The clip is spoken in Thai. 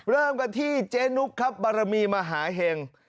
เริ่มกันที่เจ๊นุกครับบารมีมหาเห็ง